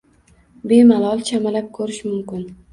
Bemalol chamalab ko‘rish mumkin.